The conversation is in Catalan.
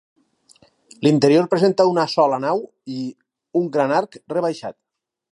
L'interior presenta una sola nau i un gran arc rebaixat.